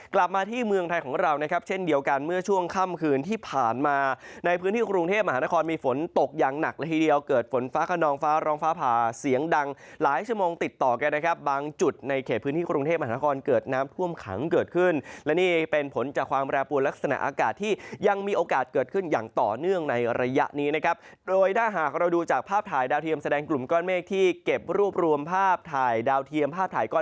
กล้องฟ้าผ่าเสียงดังหลายชั่วโมงติดต่อใกล้แก่บางจุดในเขตพื้นที่กรุงเทพอธนกรเกิดน้ำท่วมขังเกิดขึ้นและนี่เป็นผลจากความแปรปวดและสถานะอากาศที่ยังมีโอกาสเกิดขึ้นอย่างต่อเนื่องในระยะนี้นะครับโดยดังหากเราดูจากภาพถ่ายดาวเทียมแสดงกลุ่มก้อนเมฆที่เก็บรูปรวมภาพ